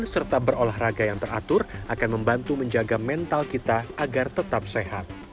serta berolahraga yang teratur akan membantu menjaga mental kita agar tetap sehat